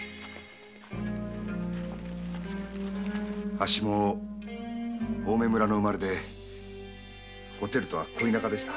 あっしも青梅村の生まれでおてるとは恋仲でした。